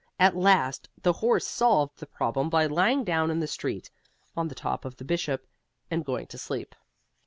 At last the horse solved the problem by lying down in the street, on top of the Bishop, and going to sleep.